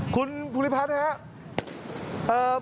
คุณภูริพัฒน์ครับ